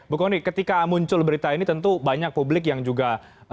bu kony ketika muncul berita ini tentu banyak publik yang juga